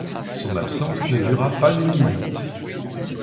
Son absence ne dura pas une minute.